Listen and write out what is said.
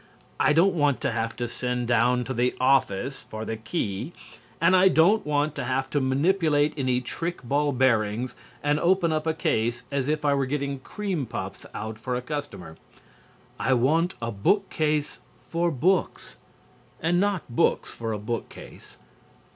I don't want to have to send down to the office for the key, and I don't want to have to manipulate any trick ball bearings and open up a case as if I were getting cream puffs out for a customer. I want a bookcase for books and not books for a bookcase."